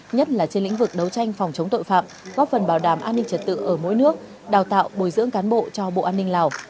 nhất là trên lĩnh vực đấu tranh phòng chống tội phạm góp phần bảo đảm an ninh trật tự ở mỗi nước đào tạo bồi dưỡng cán bộ cho bộ an ninh lào